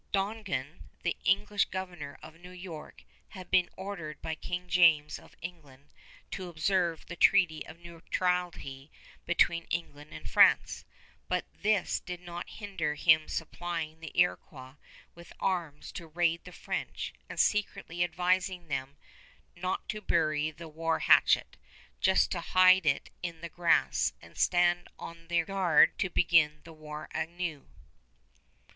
Dongan, the English governor of New York, had been ordered by King James of England to observe the treaty of neutrality between England and France; but this did not hinder him supplying the Iroquois with arms to raid the French and secretly advising them "not to bury the war hatchet, just to hide it in the grass, and stand on their guard to begin the war anew."